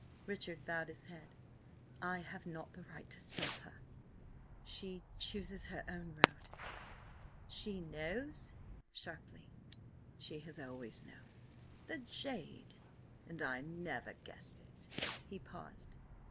Richard bowed his head. "I have not the right to stop her. She–chooses her own road." "She knows?" sharply. "She has always known." "The jade! And I never guessed it!" He paused.